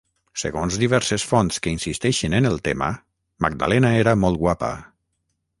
Segons diverses fonts que insisteixen en el tema, Magdalena era molt guapa.